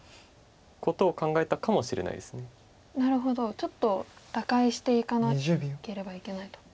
ちょっと打開していかなければいけないと。